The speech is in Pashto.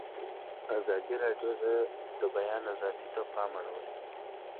ازادي راډیو د د بیان آزادي ته پام اړولی.